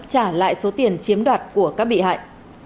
trả lại số tiền chiếm đoạt của các bị hại